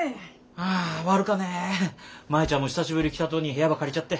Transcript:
ああ悪かね舞ちゃんも久しぶり来たとに部屋ば借りちゃって。